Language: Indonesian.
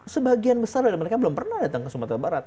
sebagian besar dari mereka belum pernah datang ke sumatera barat